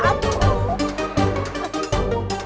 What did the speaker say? aduh ini lagi jatuh